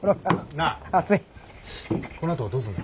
なあこのあとどうすんだ。